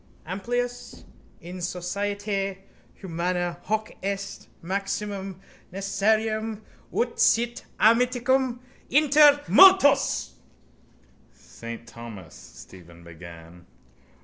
Amplius. In societate humana hoc est maxime necessarium ut sit amicitia inter multos. —Saint Thomas, Stephen began...